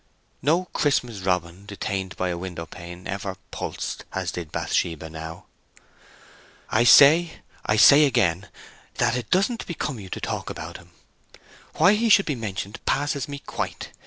No Christmas robin detained by a window pane ever pulsed as did Bathsheba now. "I say—I say again—that it doesn't become you to talk about him. Why he should be mentioned passes me quite!"